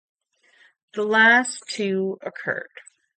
The last two occurred.